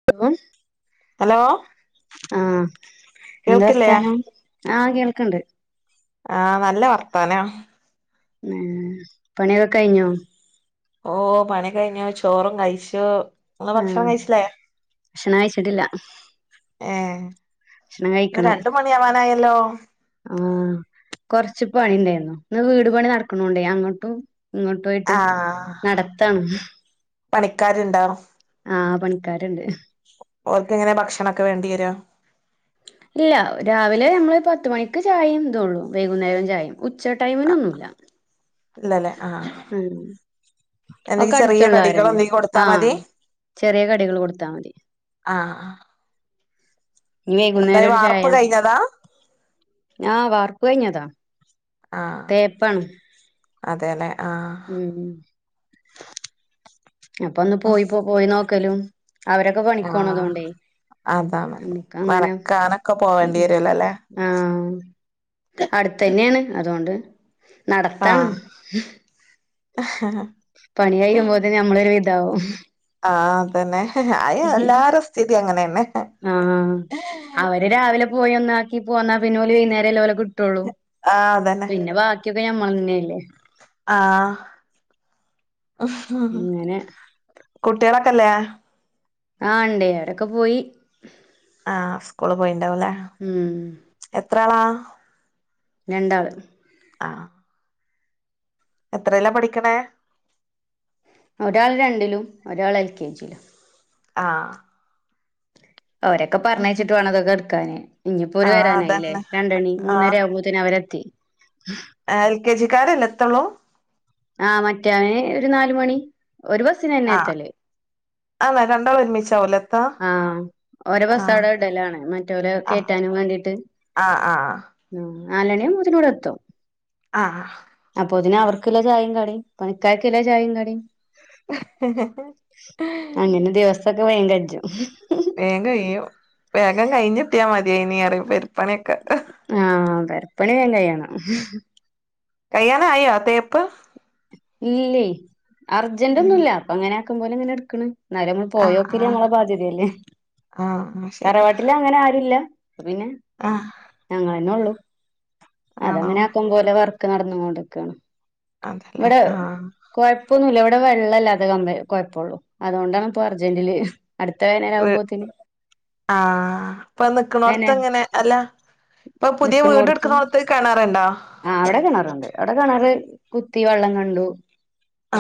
[unintelligible] Hello ആഹ് എന്താ കേൾക്കില്ലേ വർത്താനം ആഹ് കേൾക്കണ്ട് ആഹ് നല്ല വർത്താനം ഉം പണിയൊക്കെ കഴിഞ്ഞോ ഓ പണി കഴിഞ്ഞു ചോറും കഴിച്ചു ങ്ങള് ഭക്ഷണം ആഹ് കഴിച്ചില്ലേ ഭക്ഷണം കഴിച്ചിട്ടില്ല ഏഹ് ഭക്ഷണം ഇന്ന് കഴിക്കണം രണ്ട മണിയവാനായല്ലോ ആഹ് കൊറച്ച് പണിണ്ടായിരുന്നു ഈ വീട് പണി നടക്കണോടായ് അങ്ങോട്ടും ഇങ്ങോട്ടും പോയിട്ട് ആഹ് നടത്താണ് പണിക്കാരുണ്ടോ ആ പണിക്കാരുണ്ട് ഓൾക്കെങ്ങനെ ഭക്ഷണ ഒക്കെ വേണ്ടിരാ ഇല്ല രാവിലെ നമ്മൾ പത്ത് മണിക്ക് ചായ ഇതള്ളൂ വൈകുന്നേരം ചായയും ഉച്ച ടൈമിൻ ഒന്നുമല്ല ഇല്ലല്ലേ ആഹ ഒക്കെ എന്തേങ്കി ചെറിയ കടികൾ അടുത്തുള്ളവരന്നെ ഒക്കെ കൊടുത്താ ആഹ് മതി ചെറിയ കടികൾ കൊടുത്താമതി ആഹ് ആഹ് ഇനി വൈകുന്നേരം ഒരു ചായ വാർപ്പ് കഴിഞ്ഞതാ ആ വാർപ്പ് കഴിഞ്ഞതാ ആ തേപ്പാണ് അതെല്ലേ ആ ഉം അപ്പൊ ഒന്ന് പോയി പോ പോയി നോക്കലും അവരൊക്കെ ആഹ് പണികൊണതോടയ് അതാണ് നനക്കാനൊക്കെ പോവേണ്ടി വരുലലേ ആ അടുന്നെയാണ് അതുകൊണ്ട് നടത്താണ് ആഹ് പണികഴിയുമ്പോത്തിന് നമ്മളൊരു വിതാവും ആഹ അതന്നെ അത് എല്ലാരെ സ്ഥിതി അങ്ങനെ തന്നെ ആഹ അവര് രാവിലെ പോയി ഒന്നാക്കി പോന്നാ പോന്നാൽ വൈകുന്നേരല്ലേ ഓലെ കി കിട്ടുള്ളു ആഹ് പിന്നെ ബാക്കിയൊക്കെ ഞമ്മൾ തന്നെയല്ലേ ആ ഇങ്ങനെ കുട്ടെളൊക്കല്ലേ ആ ഇണ്ടേ അവരൊക്കെ പോയി ആ സ്കൂള് പോയിണ്ടാവുല്ലേ ഉം എത്ര ആളാ രണ്ടാആള് ആ എത്രലാ പഠിക്കണേ ഒരാൾ രണ്ടിലും ഒരാൾ എൽ കെ ജിയിലും ആ ഒരൊക്കെ പറഞ്ഞയച്ചിട്ട് വേണ ഇതോക്കെ എടുക്കാന് ഇഞ്ജ് ഒര് ആഹ് വരാനായില്ലേ അതന്നെ രണ്ടണി മൂന്നര ആഹ് ആവുമ്പോ ആവുമ്പോക്ക് അവരെത്തി എൽ കെ ജിക്കാരല്ല എത്തുള്ളൂ ആഹ മറ്റേന് ഒരു നാല് മണി ഒരു ബസ്സിന് തന്നെ എത്തല് ആ രണ്ടാൾ ഒരുമിചാവുംലെ എത്താ ആഹ് ഓരെ ബസ് ആഹ് അവിടെ ഇടലാണ് മറ്റോരെ കയറ്റാനും മാണ്ടീട്ട് ആ ആ ഉം നാലുണി ആവുമ്പോത്തിന് എത്തും ആഹ് അപ്പൊ ഇതിനെ അവർക്ക് എല്ലാ ചായേം കടീം പണിക്കാർക്കിള്ള ചായേം കടീം തൊക്കെ വേഗം കയ്ജും വേഗം കഴിയും വേഗം കഴിഞ്ഞെത്തിയാമതീയിനിറയും വീട് പണിയൊക്കെ ആഹ് [unintelligible] ചെയ്യണേ കയ്യാനായോ തേപ്പ് ഇല്ലേ അർജന്റൊന്നുല്ല അപ്പൊ അങ്ങനെ ആക്കും പോല അങ്ങനെ എടുക്കണ് [unintelligible] ആഹ് പോയോക്കില്ല് ആഹ് ഞങ്ങളെ ബാധ്യതയല്ലേ ആഹ് ശരിയാ തറവാട്ടില് അങ്ങനെ ആരുല്ല അപ്പൊപിന്നെ ആഹ് ഞങ്ങന്നെ ഉള്ളൂ ആണോ അതങ്ങനെ ആക്കും പോലെ വർ ക്കെ നടന്ന് പോണ്ടങ്ങ് നിക്കാണ് അതല്ലേ ഇവിടെ ആഹ് കൊ ഇപ്പൊന്നുല്ല ഇവിടെ വെള്ളല്ലാതെ ക കുഴപ്പുള്ളൂ അതുകൊണ്ടാണ് ഇപ്പൊ അർജന്റീല് അടുത്തനെ ങ്ങനാവുമ്പോത്തിന് ആഹ് ഇപ്പൊ വേനെ നിക്കണോർത്ത് ഇങ്ങനെ അല്ല ഇപ്പൊ പുതിയ വീട് ട്ക്ക്ന്നോർത്ത് കെണറുണ്ടോ? ആഹ് അവിടെ കിണറുണ്ട് അവിടെ കിണറ് കുത്തി വെള്ളം കണ്ടു.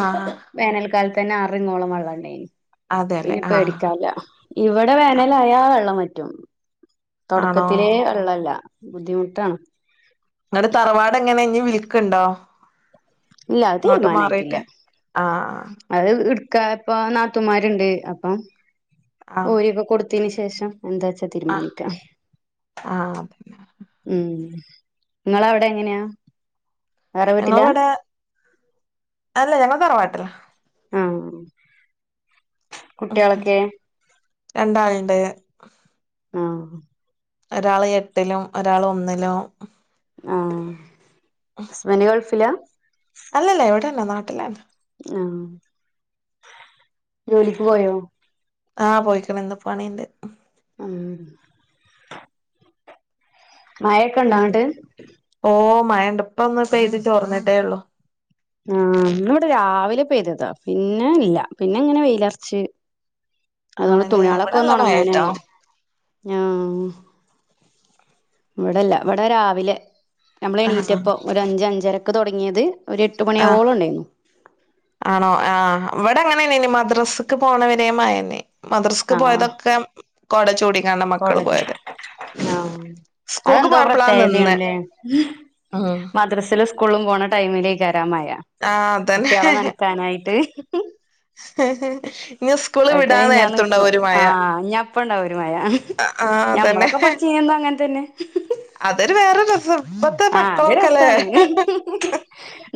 ആഹ് വേനൽക്കാലത്ത് തന്നെ ആറിങ്ങോളം വെള്ളണ്ടേയിന് അതെല്ലേ പിന്നെ ആഹ് പേടികാൻല്ല ഇവിടെ വേനലായ ആഹ് വെള്ളം വറ്റും ആണോ തൊടക്കത്തിലെ വെള്ളല്ല ബുദ്ധിമുട്ടാണ്. നിങ്ങടെ തറവാട് എങ്ങനെ ഇഞ്ഞി വിൽക്ക്ണ്ടോ? ഇല്ല അത് അങ്ങോട്ട് തീരുമാനായിട്ടില്ല മാറിട്ട് ആഹാ അത് ഇട്ക്ക ഇപ്പ നാത്തുമാരുണ്ട് അപ്പം ആഹ് ഓരിക്കൊ കൊടുത്തിന് ശേഷം എന്താച്ചാ ആഹ് തീരുമാനിക്കാം ആഹ് അതന്നെ ഹും ഇങ്ങളവിടെ എങ്ങനെയാ വേറെ വീട്ടിലാ ഞങ്ങളവിടെ അല്ല ഞങ്ങ തറവാട്ടിലാ ആഹാ ഹു ഹും രണ്ടാളിണ്ട് ആഹ് ഒരാള് എട്ടിലും ഒരാള് ഒന്നിലും. ആഹ് ഹസ്ബന്റ് ഗൾഫിലാ? അല്ലല്ല എവിടെന്നെ നാട്ടിലാണ്. ആഹ് ജോലിക്ക് പോയോ? ആഹ് പോയിക്ക്ണ ഇന്ന് പണീണ്ട് ഹും മയൊക്കെണ്ടൊ അങ്ങിട്ട് ഓ മയണ്ട് ഇപ്പ ഒന്ന് പെയ്ത് ചോർന്നിതേ ഉള്ളു ആഹ് ഇന്ന് ഇവടെ രാവിലെ പെയ്തതാ പിന്നെ ഇല്ല പിന്നെ ഇങ്ങനെ വെയിലൊറച്ച് അതുകൊണ്ട് ആണല്ലേ ഇവിടെ തുണികളൊക്കെ ഒന്ന് നല്ല മഴയാട്ടോ ഒണങ്ങാനായി ആഹ് വടെല്ല വടെ രാവിലെ നമ്മള് ആഹ് എണീറ്റപ്പോ ഒരു അഞ്ച് അഞ്ചരക്ക് തുടങ്ങിയത് ഒരു എട്ട് ആഹ് മണിയാവോളം ഉണ്ടായിരുന്നു. ആണോ ആഹ് വടെ ങ്ങനെന്നെനി മദ്രാസക്ക് പോണവരേ മയെന്നേ മദ്രസ്ക്ക് ആഹ് പോയതൊക്കെ കൊട ചൂടിക്കാണ്ട് മക്കള് കോടജും പോയത് ആഹ് അത് സ്കൂൾക്ക് എന്തോ പോയപ്പളാ നിന്നെ പ്രത്യേകതയാണല്ലേ ഉം മദ്രസേല് സ് സ്കൂളും പോണ ടൈമിലേക്കൊരാ മയാ ആഹ് അതന്നെ കുട്ടിളെ നനക്കാനായിട്ട് [unintelligible] അത് കയി വിടാൻ ഞാൻ നേരത്തുണ്ടാവും നിക്കും ഒരു മഴ ആഹ് ഞപ്പണ്ടാവും ഒരു മയ ആഹ് അതന്നെ ഞമ്മളൊക്കെ പഠിച്ച ചെയ്യുപം അങ്ങനെ തന്നെ അതൊരു വേറെ രസം ഇപ്പത്തെ ആഹ് മക്കളൊക്കെല്ലേ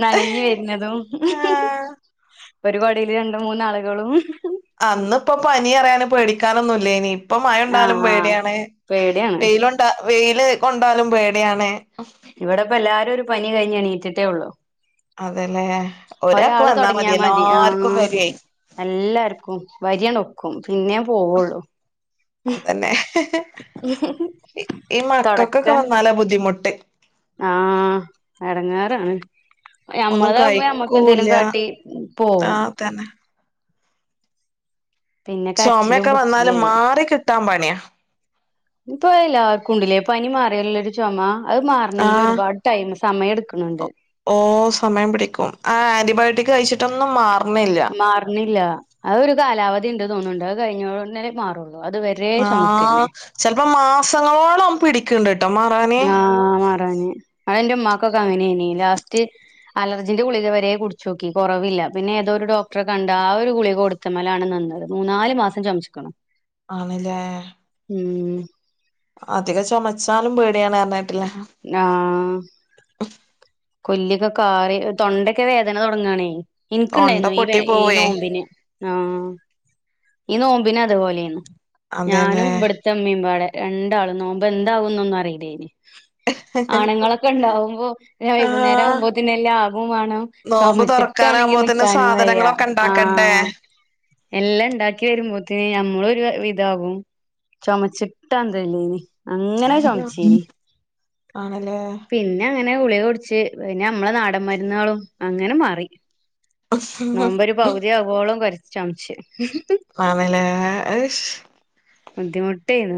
നനഞ്ഞ് വരുന്നതും ഹു ഹും ആഹ് ഒരു കുടേല് രണ്ട് മൂന്നാളുകളുംഹും ഹു അന്ന്പ്പോ പനി അറിയാന് പേടിക്കാനൊന്നുല്ല്യാനി ഇപ്പൊ മഴ കൊണ്ടാലും ആഹ് ആഹ് പേടിയാണ് പേടിയാണ് വെയിലൊണ്ട വെയില് കൊണ്ടാലും പേടിയാണ് ഇവിടെപ്പ എല്ലാരും ഒരു പനി കഴിഞ്ഞ് എണീറ്റിട്ടേ ഉള്ളു. അതെല്ലേ. ഒരാക്ക് വന്നാ തൊടങ്ങിയാ മതി എല്ലാർക്കും ആഹ് വരുവേ എല്ലാർക്കും വരിയണോക്കും പിന്നേ പോവുള്ളു അതന്നെ ഹി ഹെ ഈ മക്കക്കൊക്കെ തൊടക്കം വന്നാലാ ബുദ്ധിമുട്ട് ആഹ് എടങ്ങേറാണ്. ഒന്നും ഞമ്മള് താവുമ്പൊ ഞമ്മക്കെന്തേലും കഴിക്കൂല്ല കാട്ടി പോവും ആഹ് തന്നെ പിന്നെ കരച്ചിലും ചുമയൊക്കെ പുട്ച്ചിലു വന്നാല് ആയി മാറി കിട്ടാൻ പണിയാ ഇപ്പൊ എല്ലാർക്കും ഉണ്ടില്ലേ പനി മാറിയാലുള്ളൊരു ചൊമ അത് മാറണെങ്കിൽ ആഹ് ഒരുപാട് ടൈം സമയം എടുക്കൊണണ്ട് ഓ സമയം പിടിക്കും ആ ആന്റിബയോട്ടിക് കഴിച്ചിട്ടൊന്നും മാറണില്ല മാറണില്ല അത് ഒരു കാലാവധി ഉണ്ട് തോന്നുണ്ട് അത് കഴിഞ്ഞേ ഒന്നരെ മാറുള്ളൂ അത് വെ ആ ചെലപ്പോ മാസങ്ങളോളം പിടിക്കണ്ട് കേട്ടോ മാ ആഹ് മാറാന് അതെന്റെ ഉമ്മാക്കൊക്കെ അങ്ങനെയാന് ലാസ്റ്റ് അലർജിന്റെ ഗുളികെ വരെ കുടിച്ചോക്കി കൊറവില്ല പിന്നെ ഏതോ ഒരു ഡോക്ടറെ കണ്ട് ആ ഒരു ഗുളിക കൊട് ത്ത മേലാണ് നിന്നത് മൂന്നാല് മാസം ചൊമച്ചക്കണു ആണില്ലേ ഉം അധിക ചൊമച്ചാലും പേടിയാണ് എറണാട്ടില്ലേ ആഹ് കൊല്ലിക ഒക്കെ കാറി തൊണ്ടക്ക് വേദന തുടങ്ങുവാണേ തൊണ്ട എനിക്കുണ്ടായിരുന്നു ഈ വെ പൊട്ടി ഈ പോവേ നോമ്പിന് ആഹ് ഈ നോമ്പിന് അതുപോലെയാണ് ഞാനും അതേല്ലേ ഇവിട് ത്തമ്മിയും വേടെ രണ്ടാളും നോമ്പെന്താവുന്നൊന്നും അറിയില്ലേന് ആണുങ്ങളൊക്കെ ഉണ്ടാാവുമ്പോ വൈകുന്നേരം ആഹ് ആകുമ്പോത്തേന് എല്ലാം ആകും വേണം നോമ്പ് ചൊമച്ചിട്ടാണെങ്കി തുറക്കാനാകുമ്പോത്തിന് നിക്കാനും വയ്യ സാധനങ്ങളൊക്കെ ആ ഉണ്ടാക്കണ്ടേ എല്ലാം ഇണ്ടാ ക്കി വരുമ്പോത്തേന് നമ്മളൊരു വിധാവും ചൊമച്ചിട്ടാന്തല്ലീനി അങ്ങനെ ചോമച്ചേനി ആണല്ലേ പിൻ ന്നെ അങ്ങനെ ഗുളിക കുടിച്ച് പിന്നെ നമ്മളെ നാടൻ മരുന്ന്കളും അങ്ങനെ മാറി നോമ്പൊരു പൗതി ആവോളം കൊരച്ച് ചൊമച്ച് ആന്നല്ലേ അഷ് ബുദ്ധിമുട്ടേനു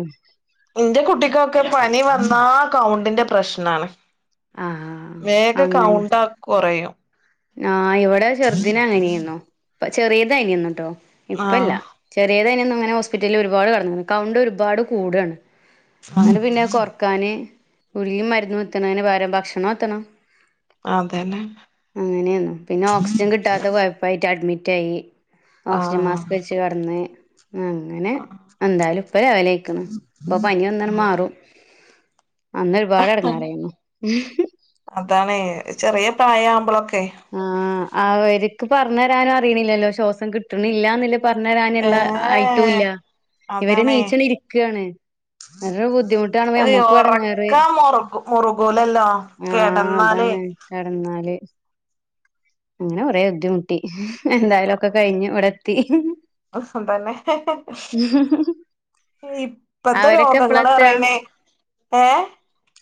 എന്റെ കുട്ടിക്കൊക്കെ പനി വന്നാ കൗണ്ടിന്റെ പ്രശ്നാണ് ആഹ് വേഗ കൗണ്ട കൊറയും ആ ഇവിടെ ചെറുദിനെ അങ്ങനെയാന്നു ഇപ്പ ചെറിയ പനി വന്നിട്ടും ഇപ്പല്ല ആഹ് ചെറിയതാനന്നങ്ങനെ ഹോസ്പിറ്റലിൽ ഒരുപാട് കെടന്നാണ് കൗണ്ട് ഒരുപാട് കൂടാണ് അങ്ങനെ പിന്നെ കൊ ക്കാന് ഗുളികയും മരുന്നും എത്തണേന് പകരം ഭക്ഷണം എത്തണം ആതന്നെ അങ്ങനെയാണു പിന്നെ ഓക്സിജൻ കിട്ടാത്ത കൊഴപ്പായിട്ട് അഡ്മിറ്റായി ഓക്സിജൻ ആഹ് മാസ്ക് വെച്ച് ച്ച് കെടന്ന് അങ്ങനെ എന്താലും ഇപ്പ ലെവലായിക്കണ്‌ ഇപ്പൊ പനിവന്നണ് മാറും അന്ന് ഒരുപാട് എടങ്ങാറായിന്നു അതാണേ ചെറിയ പ്രായ ആവുമ്പോളൊക്കെ ആഹ് അവര്ക്ക് പറഞ്ഞ് തരാനും അറിയണില്ലല്ലോ ശ്വാസം കിട്ടണില്ലാന്നുല്ല പറഞ്ഞ് തരാനുള്ള ആയിട്ടു ഏഹ് ഇല്ല ഇവര് അതാണേ നീച്ചല് ഇരിക്കയാണ് നല്ല ബുദ്ധിമുട്ടാണ് അയ് ഞമ്മക്കും എടങ്ങേറ് ഒറക്കം മുറുകു മുറുകൂലല്ലോ ആ കെടന്നാലേ അതാണ് കെടന്നാല് അങ്ങനെ കൊറേ ബുദ്ധിമുട്ടി എന്തായാലും ഒക്കെ കഴിഞ്ഞു ഇവിടെത്തി ഉഫും തന്നെ ഇപ്പത്തെ അവരൊക്കെ എപ്പളാ രോഗങ്ങളപറിണേ ഏ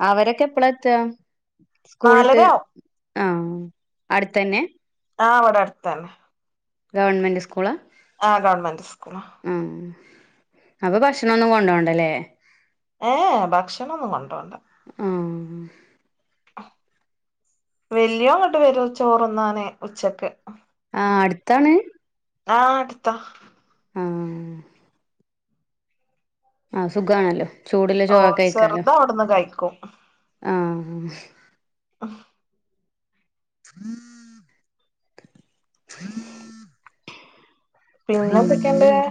അവരൊക്കെപ്പള ത്ത സ്കൂൾട്ട് നാലരാവും ആഹ അട്ത്തു തന്നെ ആഹ് വ്ടട്താണ് ഗവൺമെൻറ് സ്കൂളാ ആ ഗവൺമെന്റ് സ്കൂള ആ അപ്പൊ ഭഷ്ണൊന്നും കൊണ്ടോണ്ടല്ലെ ഏ ഭക്ഷണൊന്നും കൊണ്ടോണ്ട ആഹ് വല്യോങ്ങട്ട് വെരും ചോറ്ന്നാണ് ഉച്ചക്ക് ആ അട്ത്താണ് ആഹ് അട്ത്ത മ്മ്ഹ് ആഹ് സുഖാണല്ലോ ചൂടുള്ള ഓ ചോറൊക്കെ കഴിക്കാലോ ചെറുത് അവിടുന്ന് കഴിക്കും ആഹ് ഉം [inaudible] [inaudible] പിന്നൊന്തൊക്കെണ്ട് പിന്നെന്താ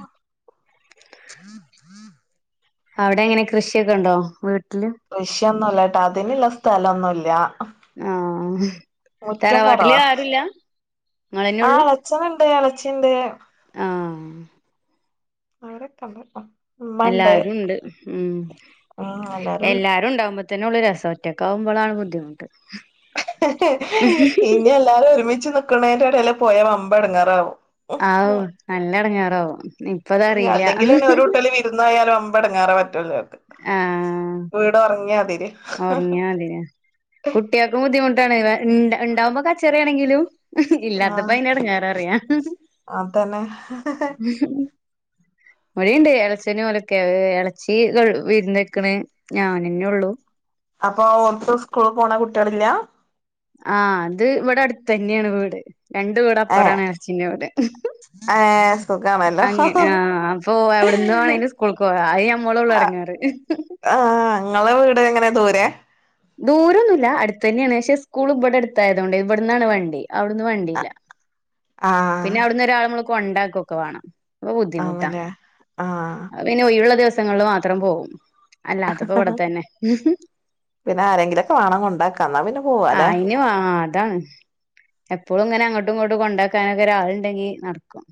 അവിടെങ്ങനെ കൃഷിയൊക്കെണ്ടോ വീട്ടില് കൃഷിയൊന്നുംല്ലട്ടോ അതിന്ള്ള സ്ഥലൊന്നുല്ല ആഹ് മുറ്റം തറവാട്ടില് കുറവാ ആരുല്ല ങ്ങളെന്നൊള്ളൂ എളച്ഛന്ണ്ട് എളച്ചിണ്ട് ആഹ് വേറെ പണി എത്താ എല്ലാരും ണ്ട് ഉം ഉം എല്ലാരും ഉണ്ട് എല്ലാരുണ്ടാവുമ്പോ ത് നൊള്ളു രസം ഒറ്റക്കാവുമ്പളാണ് ബുദ്ധിമുട്ട് ഇഞ്ഞെല്ലാരും ഒരുമിച്ച് ന്ന്ക്ക്ണേന്റെടേല് പോയാ വമ്പേട്ങ്ങേറാവും ആവൂ നല്ലെട്ങ്ങേറാവും അല്ലെങ്കിലെന്നെ ഒരൂട്ടല് വിര്ന്നോയാല് വമ്പേട്ങ്ങേറ മറ്റുള്ളോൽക്ക് ആഹ് വീടൊർങ്യാതിരിയ അതേ കുട്ട്യേക്കു ബുദ്ധിമുട്ടാണ് ഇൺ ഇണ്ടാവുമ്പോ കച്ചറേണെങ്കിലും ആഹ് ഇല്ലാതപ്പയ്ന്റെ എട്ങ്ങേററിയാ അതന്നെ ഇവിടിംണ്ട് എളച്ചന് ഓലൊക്കെ എളച്ചി ഗൾ വിരുന്നൊയ്ക്ക്ണ് ഞാനെന്നൊള്ളു അപ്പൊ ഓക്ക് സ്കൂൾ പോണ കുട്ട്യാളില്ലാ ആഹ് അത്വ്ടെ അടുത്തെതന്യാണ് വീട് രണ്ട് വീടപ്പറാണ് എളച്ചിന്റെ വീട് ഏഹ് ഏഹ് സുഗാണ് അങ്ങനെ ആഹ് അപ്പൊ എവ്ട്ന്ന് വാണെങ്കിലു സ്കൂൾക്കോവ അത് ഞമ്മളോള്ളു എടങ്ങേറ് ആഹ് ങ്ങളെ വീട് എങ്ങനെ ദൂരെ ദൂരൊന്നുല്ല അടുത്തെന്യേണ് പക്ഷെ സ്കൂള് ബെടെ ട്ത്തായതോണ്ടെ വെട്ന്നാണ് വണ്ടി അവ്ട്ന്ന് വണ്ടി ല്ലാ ആഹ് പിന്നവ്ട്ന്നൊരാളെ മ്മള് കൊണ്ടാകൊക്കെ വാണം അപ്പൊ ബുദ്ധിമുട്ട ആണല്ലേ ആഹ് അത് പിന്നെ ഒയ്വ്ള്ള ദിവസങ്ങള് മാത്രം പോകും അല്ലാതപ്പോ വ്ടെത്തെന്നെ പിന്നാരെങ്കിലൊക്കെ വാണം കൊണ്ടാക്കാൻ ന്നാ പിന്നെ ആഹ് പോവാലേ അയിന് വാ താണ് എപ്പൊളും ങ്ങനെ അങട്ടും ങ്ട്ടും കൊണ്ടാക്കാനൊക്കെരാൾണ്ടെങ്കി നട്ക്കും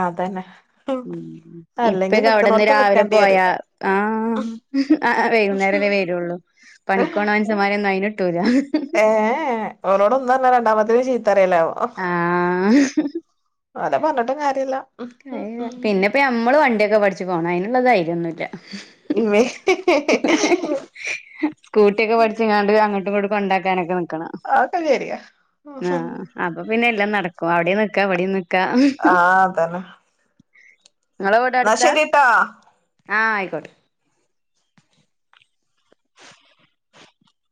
അതന്നെ ഉം അല്ലെങ്കി ഇപ്പെക്കെ അവിട്ന്ന് നിക്കണോടത്ത് രാവിലെ നിക്കേണ്ടി വരും പോയാ ആഹ് ആഹ് ആഹ് വൈകുന്നേരല്ലേ വരൊള്ളൂ പണിക്കോണ മൻസന്മാരെ ന്നും അയ്ന്ട്ടൂല ഏഹ് ഓലോടൊന്നർഞാ രണ്ടാമത്തേന് ചീത്തപറിയലാവും ആഹ് ഓലെ പർഞ്ഞിട്ടും കാര്യല്ല. പിന്നെപ്പൊ ഞമ്മള് വണ്ടിയൊക്കെ പഠിച്ച് പോണം അയ്നുള്ള ദൈര്യൊന്നുല്ല. ഇമ്മേ സ്കൂട്ടിയൊക്കെ പഠിച്ച്കാണ്ട് അങ്ങട്ടുങ്ങട്ടു കൊണ്ടാക്കാനൊക്കെ ന്ന്ക്കണം. അഒക്കെ ശെരിയാ അപ്പ പിന്നെല്ലാം നടക്കും അവ്‌ടിം നിക്ക ഇവിടം നിക്ക. ആഹ് അതന്നെ. ങ്ങളെ വീട് എന്നാ അടുത്താ ശരിട്ടാ ആഹ് അയിക്കോട്ടെ.